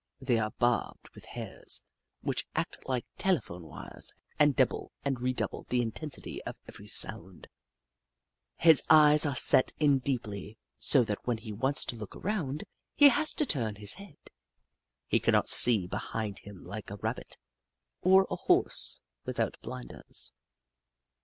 They are barbed with hairs which act like telephone wires and double and redouble the intensity of every sound. His eyes are set in deeply, so that when he wants to look around, he has to turn his head. He cannot see behind him like a Rabbit, or a Horse without blinders.